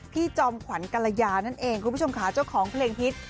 จอมขวัญกรยานั่นเองคุณผู้ชมค่ะเจ้าของเพลงฮิต